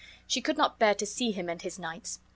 She could not bear to see him and his knights.